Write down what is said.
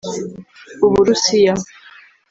u Burusiya